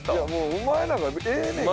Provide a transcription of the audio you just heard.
お前なんかええねんけど。